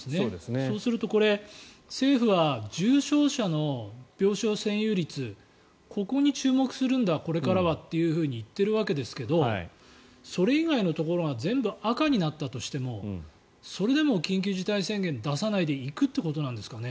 そうすると、これは政府は重症者の病床占有率ここに注目するんだこれからはと言っているわけですけどそれ以外のところが全部、赤になったとしてもそれでも緊急事態宣言を出さないでいくってことなんですかね？